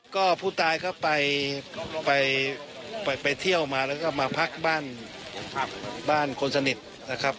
ก็ผู้ตายก็ไปเที่ยวมาแล้วก็มาพักบ้านคนสนิทนะครับ